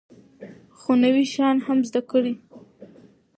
خو نوي شیان هم زده کړئ.